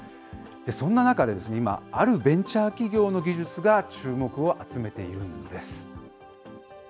そんな中、今、あるベンチャー企業の技術が注目を集めているんです。